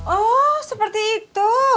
oh seperti itu